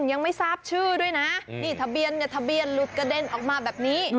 ยังไม่ทราบชื่อด้วยนะนี่ทะเบียนกับทะเบียนหลุดกระเด็นออกมาแบบนี้